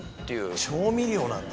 調味料なんだ。